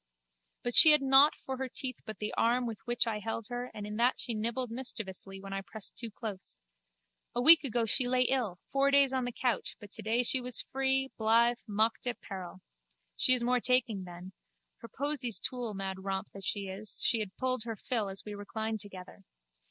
But she had nought for her teeth but the arm with which I held her and in that she nibbled mischievously when I pressed too close. A week ago she lay ill, four days on the couch, but today she was free, blithe, mocked at peril. She is more taking then. Her posies too! Mad romp that she is, she had pulled her fill as we reclined together.